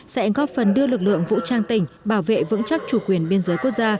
sẽ góp phần đưa lực lượng vũ trang tỉnh bảo vệ vững chắc chủ quyền biên giới quốc gia